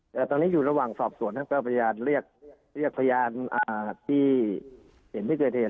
แต่ตอนนี้อยู่ระหว่างสอบสวนทั้งแก้วพยานเรียกพยานที่เห็นที่เคยเห็น